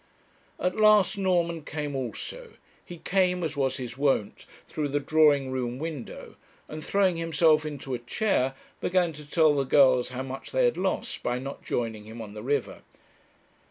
At last Norman came also. He came, as was his wont, through the drawing room window, and, throwing himself into a chair, began to tell the girls how much they had lost by not joining him on the river.